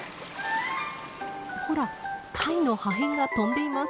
ほら貝の破片が飛んでいます。